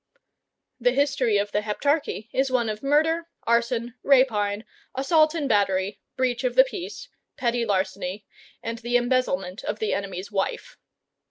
The history of the Heptarchy is one of murder, arson, rapine, assault and battery, breach of the peace, petty larceny, and the embezzlement of the enemy's wife.